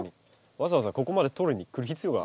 わざわざここまで取りにくる必要が。